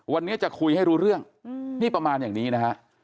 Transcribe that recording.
วันนี้จะคุยให้รู้เรื่องนี่ประมาณอย่างนี้นะฮะ